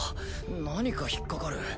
何か引っかかる。